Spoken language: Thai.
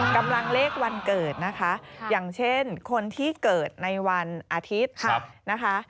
กำลังเลขวันเกิดนะคะอย่างเช่นคนที่เกิดในวันอาทิตย์นะคะ